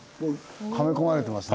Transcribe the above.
はめ込まれてますね。